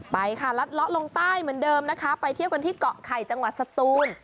ไปค่ะลัดเลาะลงใต้เหมือนเดิมนะคะไปเที่ยวกันที่เกาะไข่จังหวัดสตูน